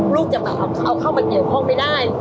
ลูกจะแบบเอาเข้ามาเกี่ยวข้องไม่ได้